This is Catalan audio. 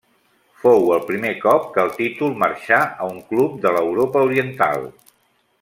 Fou el primer cop que el títol marxà a un club de l'Europa Oriental.